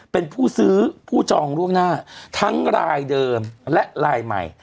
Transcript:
เป็นผู้ซื้อผู้จองล่วงหน้าทั้งรายเดิมและรายใหม่